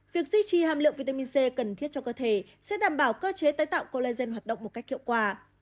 việc duy trì hàm lượng vitamin c cần thiết cho cơ thể sẽ đảm bảo cơ chế tái tạo colegen hoạt động một cách hiệu quả